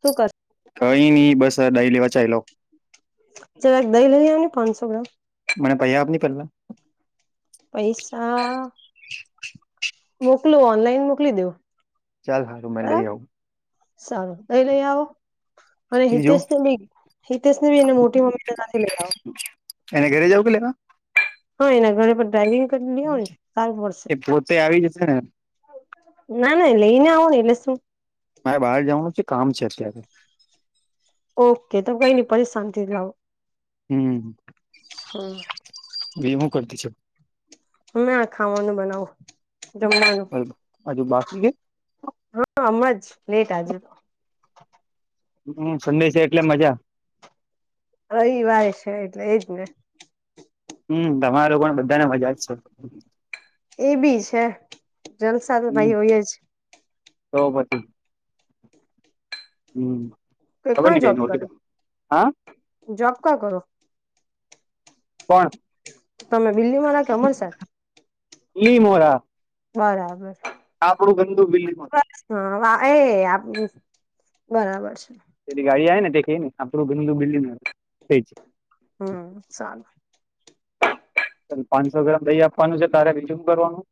તું કર કઈ નઈ બસ દહીં લેવાચી લો. ચાલ એક દહી લઈ આવ ને પાંચસો ગ્રામ. મને પૈયા આપની પેલા. પૈસા. મોકલો ઓનલાઈન મોકલી દેો. ચાલ હારું મે લઈ આઉ. સારું દહીં લઈ આવો. અને બીજું હિતેશને બી હિતેશ ને બી એને મોટી મમ્મીતા સાથે લઈ આવો. એને ઘરે જવું કે લેવા? હા એના ઘરે પણ ડ્રાઈવિંગ કરી લે હોને સારું પડશે. એ પોતે આવી જશે ને નાન એ લઈની આવન એલે સુું. મારે બહાર જવાનું છે કામ છે અત્યારે. ઓકે તો કઈ નઈ પર શાંત લાવો. હમ, હમ એ હું કરતી છું? અમે આ ખાવાનું બનાવું જમવાનું. હજુ બાકી છે હામજ નેટ આજુ તો. હમ સંડેશ છે એટલે મજા. રવિવાર છે એટલે એજ ને. હમ તમારો પણ બધાને મજા જ છે. એ બી છે, જલસાદ હમ ભાઈ હોય જ. તો પછી, હમ. ખબર નહીં ગઈ [unintelligible] હા. જબ કા કરો? પણ. તમે બિલ્લી માં રાખી અમરસાર લી મોરા. બરાબર. આપણું ગંદું બિલ્લ. હા વા એ બરાબર છે. જે ગાડીાય નેખ ને આપણું ઘું બિલ્ડીંગ થઈ છે. હમ ચાલ. પાંચસો ગ્રામ દહી આપવાનું છે તારે રીજુમ કરવાનું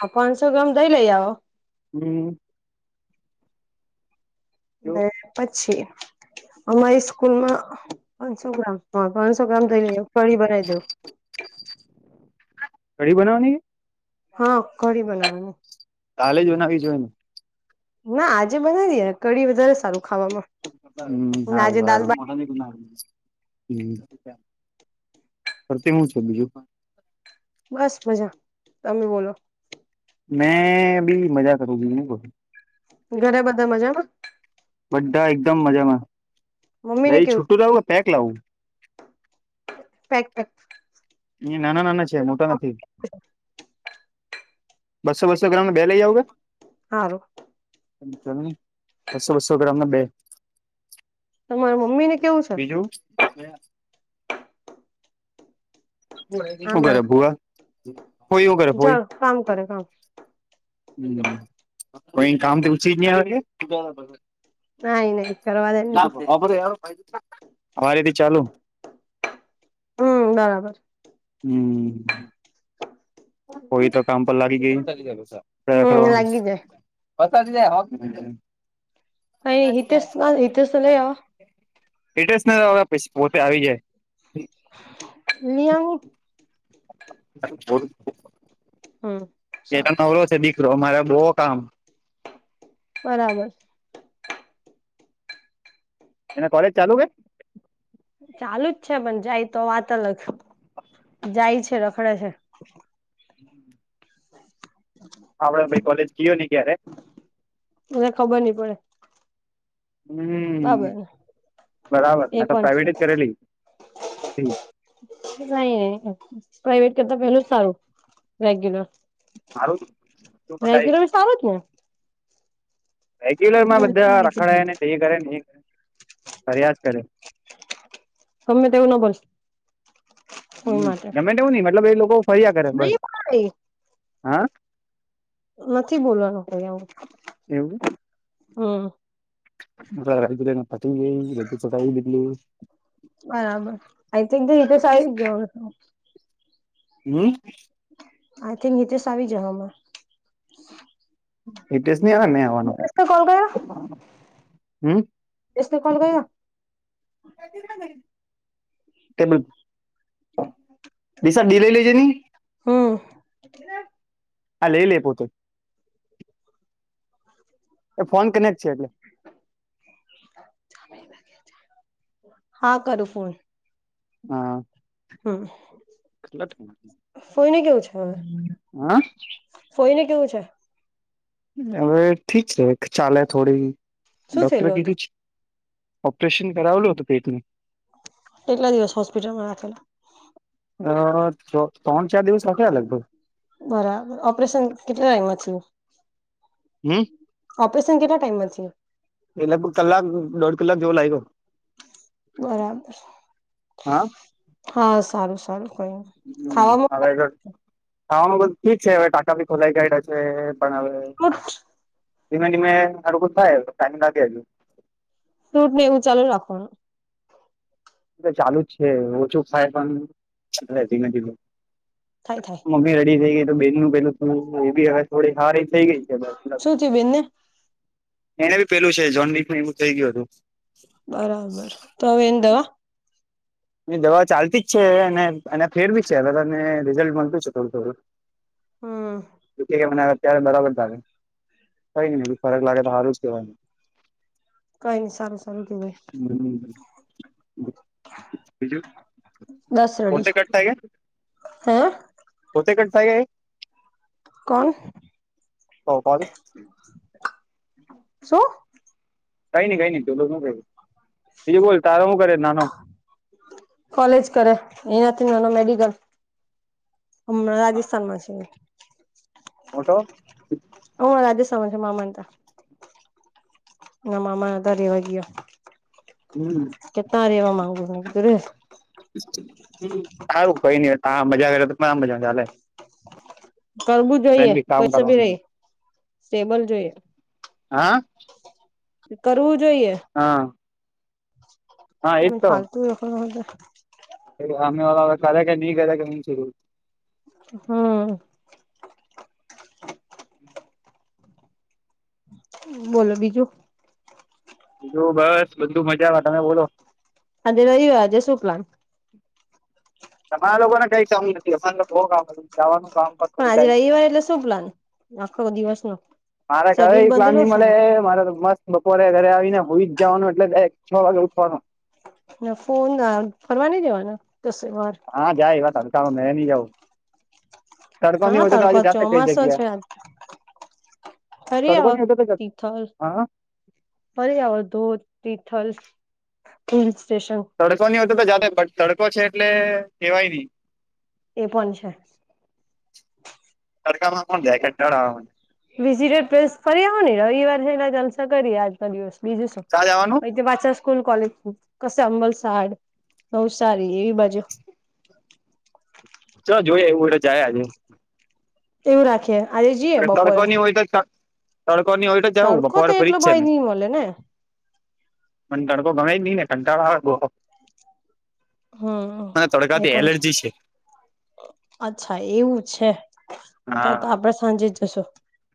હ પાંસો ગ્રામ દહીં લઈ આવ. હમ. જો બે પછી અમારી સ્કૂલમાં પાંચસો ગ્રામ હ પાંચસો ગ્રામ દહીં લઇ આવો કળી બનાવી દેવ. કઢી બનાવાની. હા કંઠી બનાવવા ની. તાલે જનાવી જોઈએ ને. ના આજે બનાવી દએે ને કઢી વધારે સારું ખાવામાં. સારું ને આજે સારુ. દાલબાટી હ ફતેવું છે બીજું પણ. બસ મજા તમે બોલો. મેં ભી મજા કરુંછું બીજુ કો ઘરે બધા મજામાં. બધા એકદમ મજામાં મમ્મી ને દહી કેવું છૂટું લાવું પેક લાવું. Pack pack. એ નાના નાના છે મોટા નથી. બસો બસો ગ્રામમાં બે લઈ આઉ એ. હારું. બસો બસો ગ્રામને બે તમારા મમ્મી ને કેવું છે. [unintelligible] આમ શું કર ભુવા હોય કર ફોય. ચાલ કામ કરે કામ કોઈ કામ ઓછી જ નહીં આવે છે. નહી નહી કરવા દે તું. અરેથી ચાલુ. હમ બરાબર. હમ. કોઈ તો કામ પર લાગી ગય હમ લાગી જાય અને હૈતેસ હૈત સ લઈ એડ્રેસ ના પ પોતે આવી જાય. નિ આવુ. હમ એ નવરો છે દીકરો મારે બઉ કામ. બરાબર. એના કોલેજ ચાલુ હે. ચાલુ જ છે પણ જાય તો વાત અલગ જાય છે રખડે છે [inaudible] હમ [unintelligible] આપડે ભાઈ કોલેજ કયો નહી ક્યારે. મને ખબર નઈ પડે. બરાબર હમ ને બરાબર એ તો પણ છે પ્રાાઈવેટ જ કરેલી. નહી નહી પ્રાઈવેટ કરતા પેલું સારું રેગ્યુલર. મારું શું કકાય. આવાવ ક્યાં રેગ્યુલર ને માં બધા રખડાય ને તે કરે ને એ કરે ફરિયાદ કરે સમમે તવું ન બો હમ ગમે તે એવું નઈ મતલબ એ લોકો ફર્યા કરે બસ નહી ભાઈ હા નથી બોલવાનું કોું એવું હ મા રદ પછંગ ર ચો દીલું બરાબર આઈ થિંક હી તો સ આવી ગયો હમ આઈ થિંક હિતસ આવી જવામાં એટેસની સ ક કોલ કર હ એતો કલ ગયો તેમાં બી સા ડી લઈ લેજે નની હમ અ લ એ લે પોતે [inaudible] [inaudible] એ ફોન કનેક્ટ છે એટલે હ [inaudible] હા કરું ફોન હા હમ ફોઈને હ [inaudible] ફોઈ ને કેવું છે હવે ઠીક છે ચાલે થોડી શું ડોક્ટરે થયેલું હતું કીધું છે ઓપરેશન કરાવલો હતું પેટનુ એકલા દિવસ હોસ્પિટલમાં રાખેલા અ ત્રણ ચાર દિવસ રાખ્યા લગભગ બરાબર ઓપરેશન કેટલા ટાઈમ માં થયું હમ [inaudible] ઓપરેશન કેટલા ટાઈઇમમાં એ લગભગ કલાક દોઢ કલાક જેવો લાગ્યો બરાબર હા હા [inaudible] સારું સારું કઈ નઈ [inaudible] ખાવામાં હવે ખાવાનું બધું કી જ છે હવે ટાકા ભી ખોલાઈ ગ હશે પણ હવે કછ [inaudible] ધીમે ધીમે સારું થાય ટાઈમ લાગે એલું ફ્રૂટ ને એવું ચાલુ રાખવાનું ચાલુ જ છે ઓછું ખાય પણ ચાલે ધીમે ધીમે થાય થાય મમ્મી રેડી થઈ ગઈ તો બેન નું પેલું થ એ બી હવે થોડી હારી એ થઈ ગઈ છે શું થયું બેનને એને બી પેલું છે [unintelligible] એવું થઈ ગયું હતું બરાબર તો હવે એન દવા એ દવા ચાલતી જ છે અને એના ફેર બી છે હ તને રિઝલ્ટ મળતું છે થોડું થોડું હમ [inaudible] કે મના ત્યારે બરાબર થ કઈને ફરક લાગે તો સારું જ કેહેવાનું. કઈ નઈ સારું સારું કેવાય. બીજું દસ રડી પોતે કટ થાય ગયા, હે પોતે કટ થાય ગ એ. કોણ, શું? કઈ નઈ કઈ નઈ તો શું કર બીજું બોલ તારો શું કરે નાનો? કોલેજ કરે એનાથી નાનો મેડિકલ, હમણાં રાજસ્થાનમાં છે. ઓટો હ રાજસ્થાનમાં છે મામાના ત્યાં. એના મામા ના ઘરે વય ગ્યો. હમ કેટ ર એવા માંગુ મધરે. સારું કઈ નઈ તા મજા કરે તો કા મજા ચાલે. કરવું તેમ જોઈએ બી કામ કશું બી કરવાનું રહી, સ્ટેબલ જોઈએ. હા? કરવું જોઈએ. હા. હા હ એજ તો. ફાલતું એખ હ. સામે વાળા કરે કે નઈ કરે હું થયું. હમ. બોલો બીજું. બીજું બસ બધું મજા આવે તમે બોલો. અને રવિવાર આજે શું પ્લાન? તમારા લોકો ને કઈ કું નથી, અ જવાનું. કામ પર પણ થોડું આજે ટાઈમ રવિવાર એટલે શું પ્લાન આખો દિવસ નો? મારા ઘરે શેડ્યુલ પ્લાન બંધેલો નહીં હશે મળે ને મારા તો મસ્ત બપોરે ઘરે આવી ને હોઈ જવાનું એટલે એક છ વાગે ઉઠવાનું. ના ફોન ફરવા નહી જવાના કશે વાર? કોણ જાય આવા તડકામાં મે ની જાઉં. તડકોની કા હોતે તો તડકો આજે જાતે કઈ ચોમાસો જગ્યા. છે ફરી આવો તડકોની હોતે તો તિથલ ફરી આવા ધોત, તિથલ, પોલીસ સ્ટેશન. તડકોની હોતે તો જાતે બટ તડકો છે એટલે કહેવાય નહીં. એ પણ છે. તડકામાં કોણ જાય કંટાળો આવે. વિઝિટર પ્લેસ ફરી આવો ને રવિવાર છે એટલે જલસા કરીએ આજનો દિવસ બીજું શું. ચાલ જવાનું પછી પાછા સ્કૂલ કોલેજ કશે અં બલસાડ, નવસારી એવી બાજુ ચાલો જોઈએ એવું હોય તો જાયે આજે. એવું રાખીએ. આજે જઈએ બપોરે તડકોની હોય તો તડકોની તડકો તો ફ્રી એટલો જ છે ભય ને. નહી મળે ને મને તડકો ગમે જ ની ને કંટાળ આવે બો. હમ મારે એ તડકાથી પણ એલર્જી છે. અચ્છા એવું છ તો હા તો આપડે સાંજે જ જશું.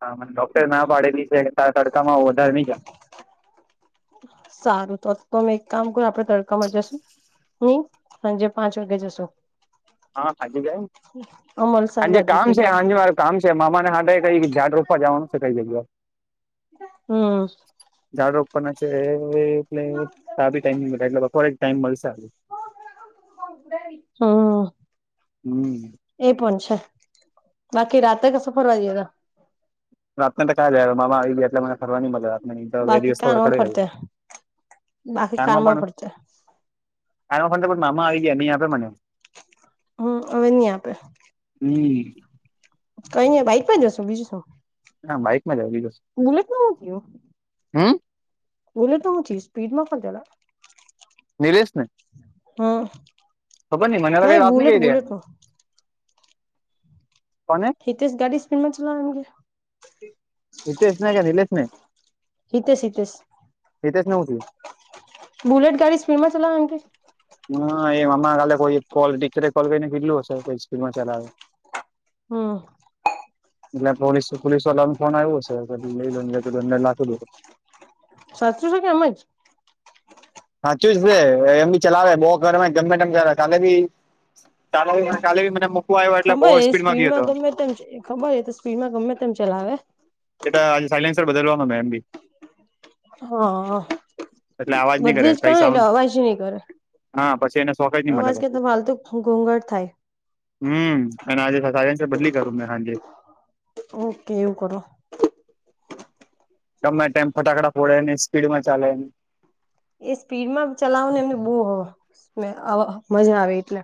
હા ડોક્ટરએ ના પાડેલી છે તા તડકામાં વધારે ની જામ. સારું તો તો તમે એક કામ કરો આપડે તડકામાં જશું. હમ, સાજે પાંચ વાગે જસો. હા હાજે જાયે, અમલસાર હાજે બાજુ કામ કે છે બધી હાજે મારે. કામ છે. મામાને હાતે કઈ ઝાડ રોપવા જવાનું છે કઈ જગ્યા. હમ. ઝાડ રોપવાના છે એટલે તા ભી ટાઈમિંગ એટલે બપોરે જ ટાઈમ મળશે આજે. હમ. હમ. એ પણ છે, બાકી રાતે કસો ફરવા [unintelligible] રાત ને [unintelligible] મામા આવી ગયા એટલે મને ફરવાની મજા નય તો બે બાકી દિવસ કારમાં ફરતે [unintelligible] બાકી કારમાં પણ ભરશે [unintelligible] મામા આવી ગયા ની આપે મને હમ અવે ની આપે હમ. કયની બાઈક પર જશું બીજું શું હા બાઇકમાં [unintelligible] બુલેટનું હુ થીયું બુલેટિન હુ થીયુ સ્પીડમાં [unintelligible] નિરેશ ને હમ ખબર ની મને અવે નહી વાત બુલેટ ની બુલેટ નું [unintelligible] કોને? હીતેશ ગાડી સ્પીડમાં ચલાવે એમકે? હિતેશ ને કે નીલેશ ને હિતેશ હિતેશ હિતેશ ને હુ થીયુ? બુલેટ ગાડી સ્પીડમાં ચલાવે એમ કે? હા એ [unintelligible] કાલે કોઈ કોલ ટીચરે કોલ કરીને કીધલું હશે સ્પીડમાં ચલાવે હમ. એટલે પોલીસ પોલીસ વાળાન ફોન આયવો હશે [unintelligible] સાચુ છે, કે એમ જ સાચું જ છે, એમ બી ચલાવે બો ગરમે ગમે તેમ ચલાવે કાલે બી [inaudible] બહુ ખબરએ ગયો હતો સ્પીડમાં ગમે તેમ ખબર એતો સ્પીડમાં ગમે તેમ ચલાવે એટ આજે સાયલેન્સર બદલવાનો મે બી એટલે અવાજ હ નહી કરે બદલી જ કઈ [unintelligible] સાઉન્ડ અવાજ ની કરે હા પછી એને શોખ જ નહી મળે અવાજ પછી કેતા ફાલતુ ઘોઘટ થાય હમ અને આજે સાયલેનસર બદલી કરું મે હાજે ઓકે એવું કરો ગમે તેમ ફટાકડા ફોડે ને સ્પીડમાં ચાલે એ સ્પીડમાં ચલાવને એમને બો મે અવ મજા આવે એટલે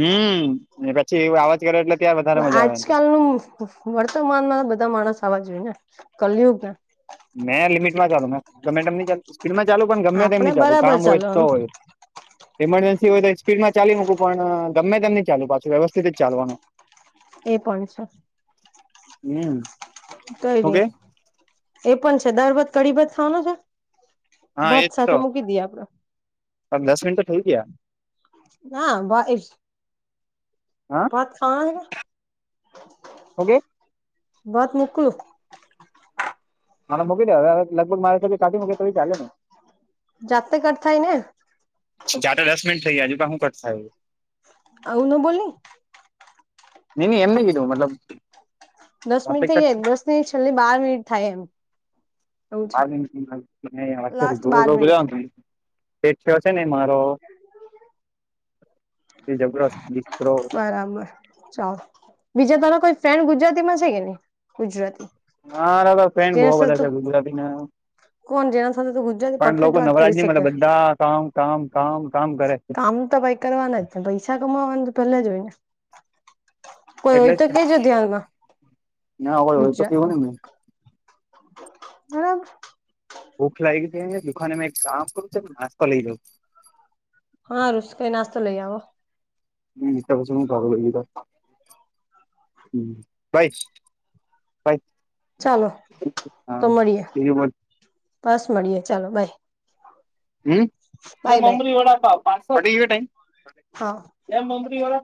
હમ પછી એ અવાજ કરે એટલે ત્યા વધારે મજા આવે આજકાલનું વર્તમાનમાં બધા માણસ આવા જોય ને કલયુગ ને મેં લિમિટ માં ચાલુ મે ગમે તેમની ચાલ સ્પીડમાં ચાલુ પણ ગમે આપણે તેમની ચાલુ બરાબર કામ હોય તો ચાલવાનું હોય [unintelligible] ઇમરજન્સી હોય તો સ્પીડમાં ચાલી મૂકું પણ ગમે તેમ ની ચાલુ પાછું વ્યવસ્થિત જ ચાલવાનું એ પણ છે. હમમ. કઈ ની એ પણ છે, દાર ભાત કઢી ભાત ખાવાનો છે? હા ભાત એજ સાથે તો મૂકી દી આપડે દસ મિન તો થઈ ગયા ના બા [unintelligible] હા ભાત ખાવાના છે, ઓકે કે ભાત મુકલુ હને મૂકી દે હવે હવે લગભગ મારેથી કાઢી મૂકે તો ચાલે ને જાતે કર થાય ને ચાત દસ મિનીટ થઈ જાય હજુ ત હુ કટ થાય આવું ન બોલની ની ની એમને કીધું મતલબ [unintelligible] નય છેલ્લી બાર મિનિટ થાય એમ એવું છે લાસ્ટ બાર મિનિટ [inaudible] હેઠયો છે, ને મારો એ જબરસ્ત દીકરો બરાબર ચાલ બીજા તારો કોઈ ફ્રેન્ડ ગુજરાતીમાં છે કે નય ગુજરાતી મારા તો બોવ બધા જેને સાથે ફ્રેન્ડ તું છે ગુજરાતીના કોણ જેના સાથે તો ગુજરાતી પણ પરફેક્ટ લોકો વાત કરી નવરાજની મળ શકે બધા કામ કામ કામ કામ કરે. અમુક તો ભાઈ. કરવાના જ ને પૈસા કમાવાનું તો પેલા જ હોય ને. કોઈ હોય એટલે તો જ કેજો ધ્યાનમાં ના હોય હોય તો કેવું ને [unintelligible] મે [unintelligible] ભૂખ લાગી દુખાને એક કામ કરું નાસ્તો લઈ લઉ. હા રુષ કઈ નાસ્તો લઈ આવો. [unintelligible] ભાઈ ચાલો તો મળીએ [unintelligible] બસ મળીએ ચાલો બાય. હમ બે બાય બાય મમરી વડાપાવ [unintelligible] હા. એ મમરી